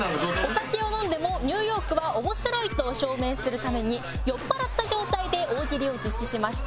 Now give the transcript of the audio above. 「お酒を飲んでもニューヨークは面白いと証明するために酔っ払った状態で大喜利を実施しました」